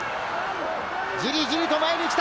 じりじり前に来た！